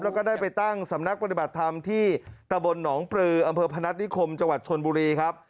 แล้วก็ได้ไปตั้งสำนักปฏิบัติธรรมที่ตะบลหนองปลืออำเภอพนัฐนิคมจังหวัดชนบุรีครับ